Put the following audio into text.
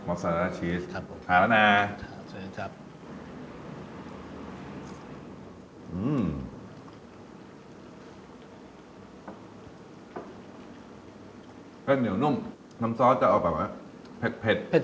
เด็กเนี่ยวหงุ่มน้ำซ้อร์สจะเอาแบบแปรก